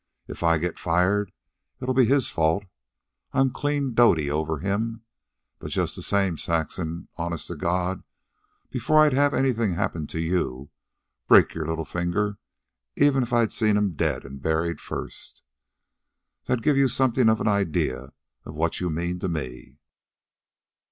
If I get fired, it'll be his fault. I'm clean dotty over him. But just the same, Saxon, honest to God, before I'd have anything happen to you, break your little finger, even, I'd see him dead an' buried first. That'll give you something of an idea what you mean to me.